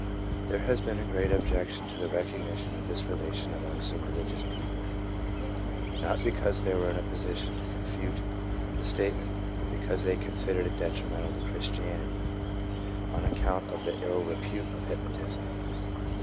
1 There has been a great objection to the recogni tion of this relation among some religious people; not because they were in a position to confute the statement, but because they considered it detri mental to Christianity, on account of the ill repute of hypnotism.